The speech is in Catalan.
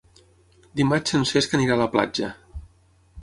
Dimarts en Cesc irà a la platja.